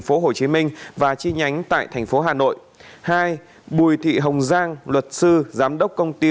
phố hồ chí minh và chi nhánh tại thành phố hà nội hai bùi thị hồng giang luật sư giám đốc công ty